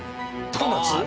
ドーナッツ？